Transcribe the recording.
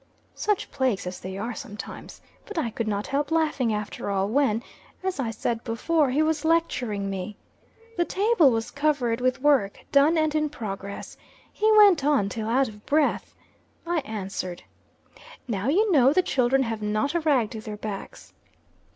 Such plagues as they are sometimes! But I could not help laughing after all, when, as I said before, he was lecturing me. The table was covered with work, done and in progress. He went on till out of breath. I answered: "Now you know the children have not a rag to their backs!"